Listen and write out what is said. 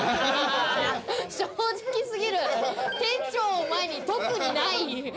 正直過ぎる、店長を前に、特にない。